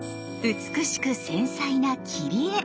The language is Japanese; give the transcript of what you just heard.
美しく繊細な切り絵！